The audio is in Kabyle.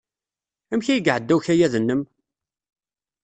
Amek ay iɛedda ukayad-nnem?